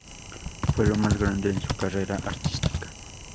Fue lo más grande en su carrera artística.